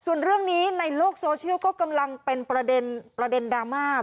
ส่วนเรื่องนี้ในโลกโซเชียลก็กำลังเป็นประเด็นดราม่า